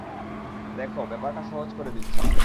দেখো, ব্যাপারটা সহজ করে দিচ্ছি।